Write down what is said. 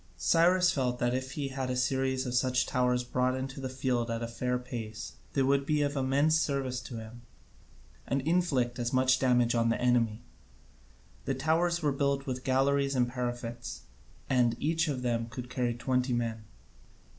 Cyrus felt that he had a series of such towers brought into the field at a fair pace they would be of immense service to him, and inflict as much damage on the enemy. The towers were built with galleries and parapets, and each of them could carry twenty men.